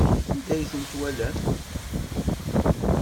Anda ay ten-twalam?